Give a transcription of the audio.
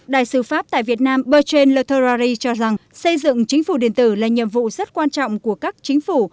đại sứ pháp tại việt nam bertren lotharari cho rằng xây dựng chính phủ điện tử là nhiệm vụ rất quan trọng của các chính phủ